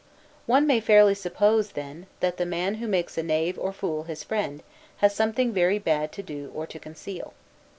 One may fairly suppose, that the man who makes a knave or a fool his friend, has something very bad to do or to conceal.